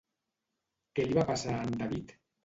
Què li va passar a en David?